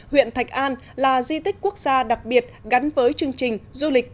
huyện thạch an là di tích quốc gia đặc biệt gắn với chương trình du lịch